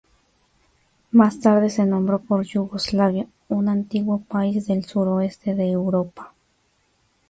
Más tarde se nombró por Yugoslavia, un antiguo país del suroeste de Europa.